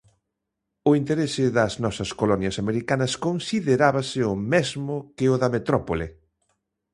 O interese das nosas colonias americanas considerábase o mesmo que o da metrópole.